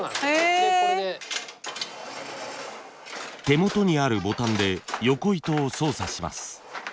手元にあるボタンでよこ糸を操作します。